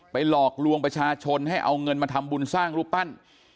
หลอกลวงประชาชนให้เอาเงินมาทำบุญสร้างรูปปั้น